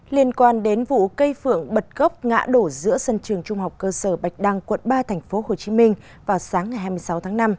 liên quan đến vụ cây phượng bật gốc ngã đổ giữa sân trường trung học cơ sở bạch đăng quận ba tp hcm vào sáng ngày hai mươi sáu tháng năm